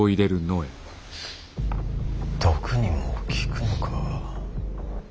毒にも効くのか。